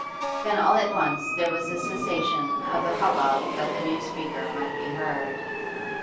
Then all at once there was a cessation of the hubbub that the new speaker might be heard.